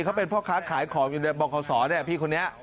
เขาเป็นผู้ขาขายของอยู่ในบางโขสต์เนี่ยพี่คนนี้